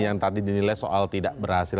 yang tadi dinilai soal tidak berhasil